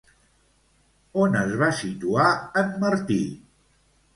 On es va situar en Martí?